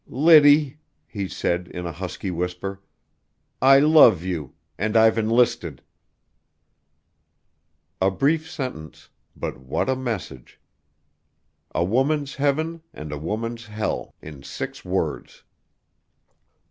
"Liddy," he said in a husky whisper, "I love you, and I've enlisted!" A brief sentence, but what a message! A woman's heaven and a woman's hell in six words!